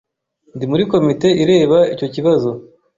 Ndi muri komite ireba icyo kibazo.